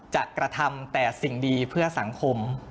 กระทำแต่สิ่งดีเพื่อสังคม